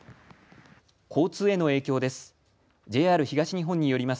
交通への影響です。